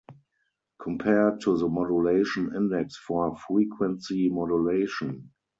Compare to the modulation index for frequency modulation.